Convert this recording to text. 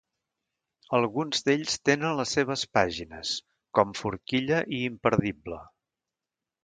Alguns d'ells tenen les seves pàgines, com forquilla i imperdible.